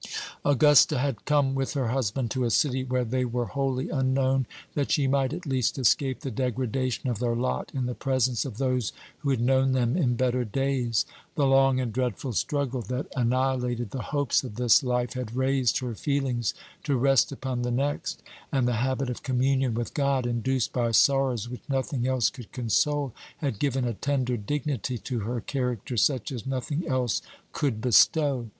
Augusta had come with her husband to a city where they were wholly unknown, that she might at least escape the degradation of their lot in the presence of those who had known them in better days. The long and dreadful struggle that annihilated the hopes of this life had raised her feelings to rest upon the next, and the habit of communion with God, induced by sorrows which nothing else could console, had given a tender dignity to her character such as nothing else could bestow.